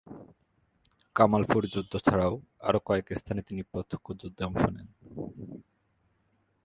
কামালপুর যুদ্ধ ছাড়াও আরও কয়েক স্থানে তিনি প্রত্যক্ষ যুদ্ধে অংশ নেন।